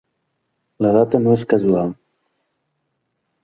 La data no és casual.